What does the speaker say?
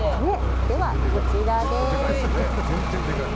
では、こちらです。